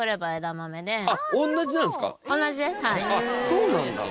そうなんだ。